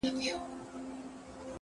• د هر زور له پاسه پورته بل قدرت سته ,